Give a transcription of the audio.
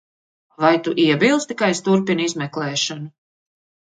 Vai tu iebilsti, ka es turpinu izmeklēšanu?